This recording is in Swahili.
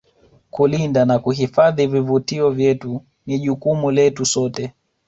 kulinda na kuhifadhi vivutio vyetu ni jukumu letu sote